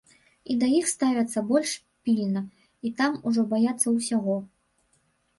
І да іх ставяцца больш пільна, і там ужо баяцца ўсяго.